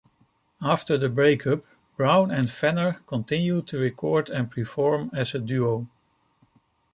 After the breakup, Brown and Fenner continued to record and perform as a duo.